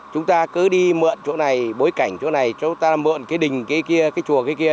chúng ta cứ đi mượn chỗ này bối cảnh chỗ này chúng ta mượn cái đình cái chùa kia kia